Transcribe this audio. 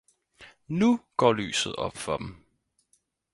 Nu går lyset op for dem!